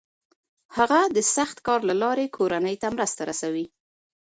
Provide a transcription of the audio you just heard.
هغه د سخت کار له لارې کورنۍ ته مرسته رسوي.